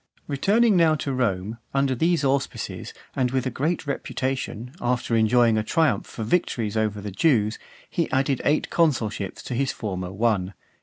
Returning now to Rome, under these auspices, and with a great reputation, after enjoying a triumph for victories over the Jews, he added eight consulships to his former one.